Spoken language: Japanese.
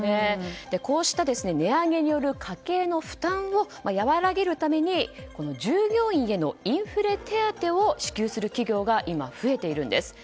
こうした値上げによる家計の負担をやわらげるために従業員へのインフレ手当を支給する企業が今増えています。